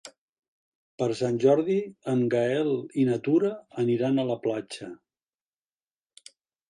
Per Sant Jordi en Gaël i na Tura aniran a la platja.